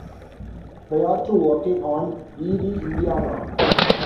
Prior to working on "Eerie, Indiana".